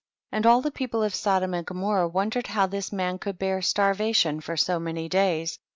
29. And all the pcoj)lc of Sodom and Gomorrah wondered how this man could bear starvation for so many days.